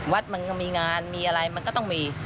วัดมีงานมีอะไรก็ต้องมี